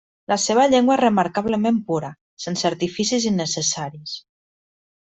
La seva llengua és remarcablement pura, sense artificis innecessaris.